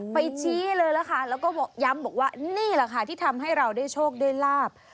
ไปชี้เลยล่ะค่ะแล้วก็ย้ำบอกว่านี่แหละค่ะที่ทำให้เราได้โชคได้ลาบ